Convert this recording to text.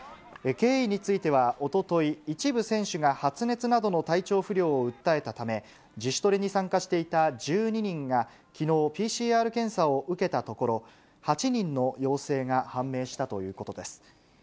経緯については、おととい、一部選手が発熱などの体調不良を訴えたため、自主トレに参加していた１２人がきのう、ＰＣＲ検査を受けたところ、８人の陽性が判明したということです。